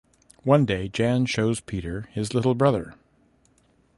One day Jan shows Peter his little brother.